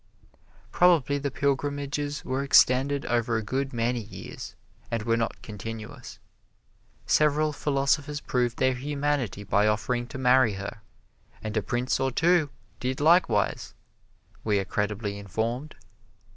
Probably the pilgrimages were extended over a good many years, and were not continuous. Several philosophers proved their humanity by offering to marry her, and a prince or two did likewise, we are credibly informed.